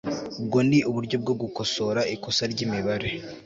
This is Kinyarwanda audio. ubwo ni uburyo bwo gukosora ikosa ry'imibare